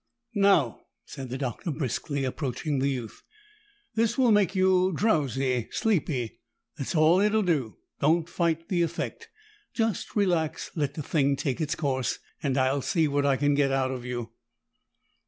"Now!" said the Doctor briskly, approaching the youth. "This will make you drowsy, sleepy. That's all it'll do. Don't fight the effect. Just relax, let the thing take its course, and I'll see what I can get out of you."